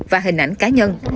và hình ảnh cá nhân